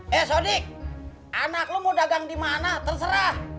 hei sodik anak lo mau dagang dimana terserah